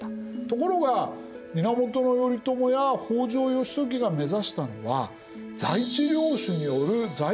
ところが源頼朝や北条義時が目指したのは在地領主による在地領主のための政権。